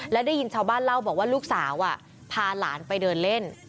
และได้ยินชาวบ้านเล่าบอกว่าลูกสาวพาหลานไปเดินเล่น